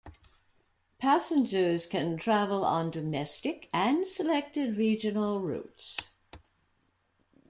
Passengers can travel on domestic and selected regional routes.